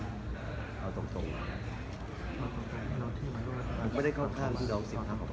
ไม่ทราบผมไม่ได้หมายถึงใคร